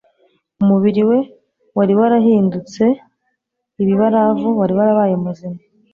Umubiri we wari warahindutse ibibaravu, wari wabaye muzima,